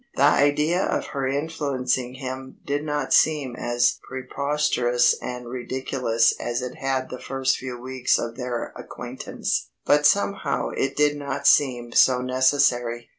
The idea of her influencing him did not seem as preposterous and ridiculous as it had the first few weeks of their acquaintance, but somehow it did not seem so necessary.